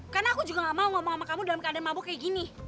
karena aku juga gak mau ngomong sama kamu dalam keadaan mabuk kayak gini